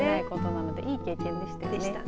いい経験でしたね。